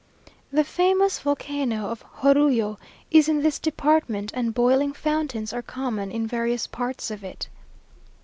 The famous volcano of Jorullo is in this department, and boiling fountains are common in various parts of it.